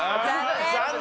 残念！